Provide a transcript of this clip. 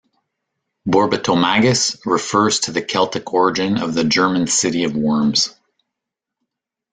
Borbetomagus refers to the Celtic origin of the German city of Worms.